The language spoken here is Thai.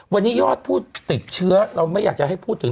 วันนี้ยอดผู้ติดเชื้อเราไม่อยากจะให้พูดถึง